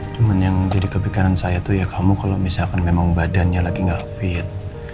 cuman yang jadi kepikiran saya tuh ya kamu kalo misalkan badannya lagi gak fit